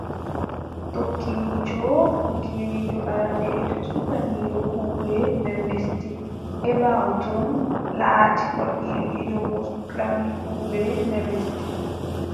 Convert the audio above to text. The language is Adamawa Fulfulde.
Tokkiijo wakiiliijo arandeejo suklaniiɗo kuuɗe nder lesdi, e ɓaawo ton, o laati wakiiliijo mo suklani kuuɗe nder lesdi .